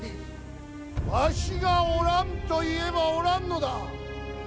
わしがおらんと言えばおらんのだ。